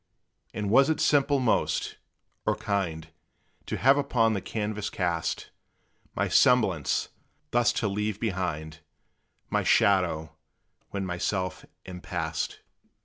And was it simple most, or kind To have upon the canvass cast My semblance, thus to leave behind My shadow, when myself am past?